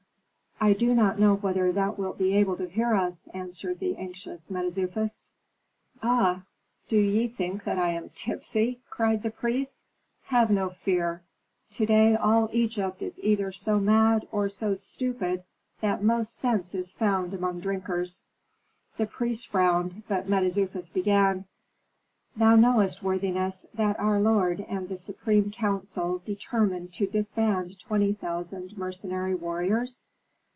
"I do not know whether thou wilt be able to hear us," answered the anxious Mentezufis. "Ah! do ye think that I am tipsy?" cried the prince. "Have no fear. To day all Egypt is either so mad or so stupid that most sense is found among drinkers." The priests frowned, but Mentezufis began, "Thou knowest, worthiness, that our lord and the supreme council determined to disband twenty thousand mercenary warriors?"